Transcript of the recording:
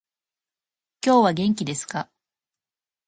今日は元気ですか？